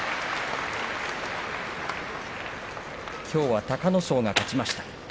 きょうは隆の勝が勝ちました。